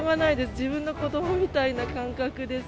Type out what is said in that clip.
自分の子どもみたいな感覚です。